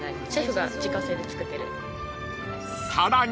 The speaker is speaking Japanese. ［さらに］